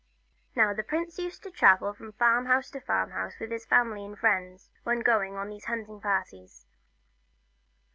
Now the prince used to travel from farm house to farm house with his family and friends, when going on these hunting parties.